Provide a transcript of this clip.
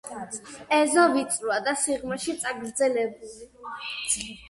ეზო ვიწროა და სიღრმეში წაგრძელებული.